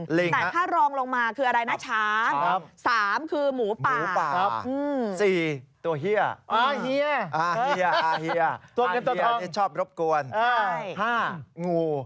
แต่ถ้ารองลงมาคืออะไรน่ะช้าง